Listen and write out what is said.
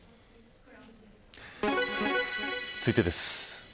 続いてです。